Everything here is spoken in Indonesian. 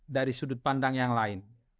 dari sudut pandang yang lain